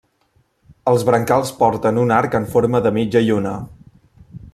Els brancals porten un arc en forma de mitja lluna.